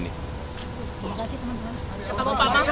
terima kasih teman teman